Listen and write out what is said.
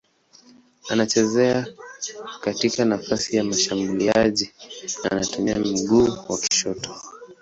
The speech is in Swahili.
Anacheza katika nafasi ya mshambuliaji na anatumia mguu wa kushoto.